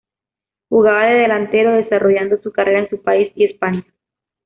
Jugaba de delantero, desarrollando su carrera en su país y España.